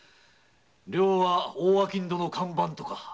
寮は大商人の看板とか。